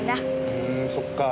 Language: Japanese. ふんそっか。